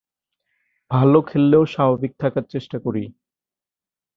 ভালো খেললেও স্বাভাবিক থাকার চেষ্টা করি।